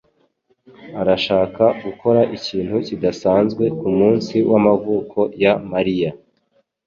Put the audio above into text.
arashaka gukora ikintu kidasanzwe kumunsi w'amavuko ya Mariya.